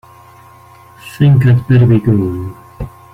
Think I'd better be going.